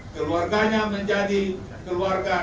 keluarganya menjadi keluarga